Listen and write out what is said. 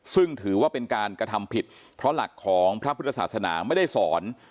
ซึ่งถือว่าเป็นการกระทำผิดเพราะหลักของพระพุทธศาสนาไม่ได้สอน